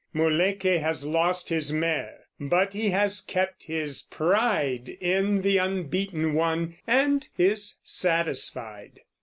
Muléykeh has lost his mare; but he has kept his pride in the unbeaten one, and is satisfied.